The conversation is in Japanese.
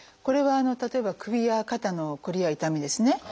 これは例えば首や肩のコリや痛みですね。